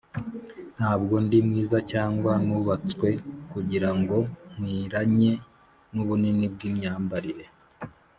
ntabwo ndi mwiza cyangwa nubatswe kugirango nkwiranye nubunini bwimyambarire